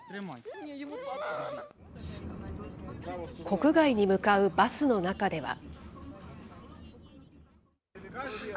国外に向かうバスの中では。